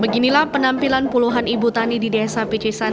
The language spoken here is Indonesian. beginilah penampilan puluhan ibu tani di desa pecisan